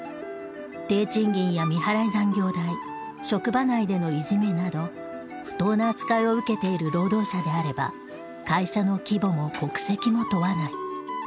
低賃金や未払い残業代職場内でのいじめなど不当な扱いを受けている労働者であれば会社の規模も国籍も問わない。